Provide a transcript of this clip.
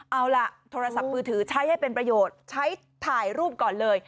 เอาล่ะโทรศัพท์มือถือใช้ให้เป็นประโยชน์ใช้ถ่ายรูปก่อนเลย